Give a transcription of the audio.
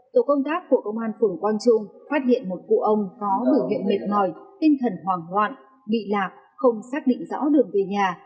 tổ công tác của công an phưởng quang trung phát hiện một cụ ông có nửa nghiệm mệt mỏi tinh thần hoàng hoạn bị lạc không xác định rõ đường về nhà